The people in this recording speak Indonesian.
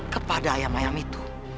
kepada ayam ayam itu